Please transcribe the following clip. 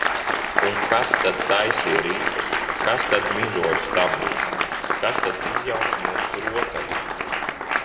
Un kas tad taisīja ripas, kas tad mizoja stabules, kas tad izjauca mums rotaļu?